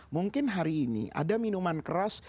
mungkin hari ini ada minuman keras